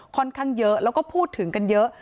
ค่อนข้างเยอะแล้วก็พูดถึงกันเยอะ